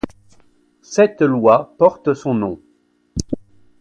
Cette loi porte son nom.